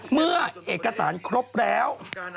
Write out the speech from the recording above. เมื่อเอกสารครบแล้ว